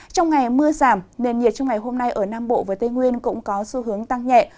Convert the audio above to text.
trong ngày mưa giảm nền nhiệt trong ngày hôm nay ở nam bộ và tây nguyên cũng có xu hướng tăng nhẹ